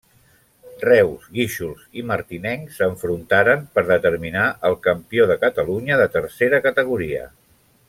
Reus, Guíxols i Martinenc s'enfrontaren per determinar el campió de Catalunya de tercera categoria.